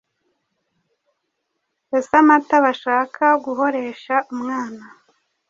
Ese amata bashaka guhoresha umwana.